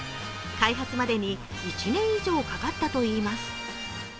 開発までに１年以上かかったといいます。